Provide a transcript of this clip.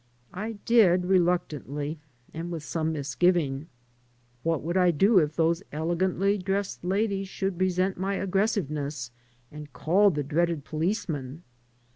I did, reluctantly and with some misgiving. What would I do if those elegantly dressed ladies should resent my aggressiveness and call the dreaded police man?